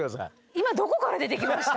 今どこから出てきました？